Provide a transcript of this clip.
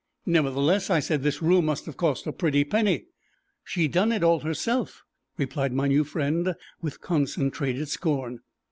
"Nevertheless," I said, "this room must have cost a pretty penny." "She done it all herself," replied my new friend, with concentrated scorn.